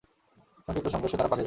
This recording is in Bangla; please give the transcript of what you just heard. সংক্ষিপ্ত সংঘর্ষে তারা পালিয়ে যায়।